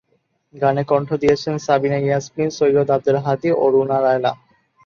গানে কণ্ঠ দিয়েছেন সাবিনা ইয়াসমিন, সৈয়দ আব্দুল হাদী ও রুনা লায়লা।